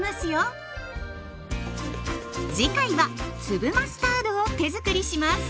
次回は粒マスタードを手づくりします。